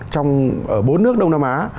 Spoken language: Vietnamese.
trong bốn nước đông nam á